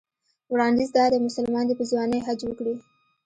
وړاندیز دا دی مسلمان دې په ځوانۍ حج وکړي.